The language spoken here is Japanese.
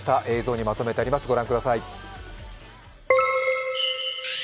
映像にまとめてあります。